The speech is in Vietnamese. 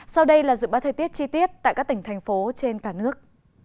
sau đây là dự báo thời tiết chi tiết tại các tỉnh thành phố trên cả nước